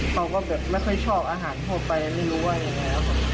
เขาก็แบบไม่ค่อยชอบอาหารทั่วไปไม่รู้ว่ายังไงครับ